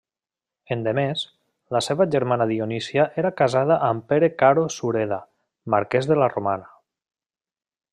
Endemés, la seva germana Dionísia era casada amb Pere Caro Sureda, marquès de la Romana.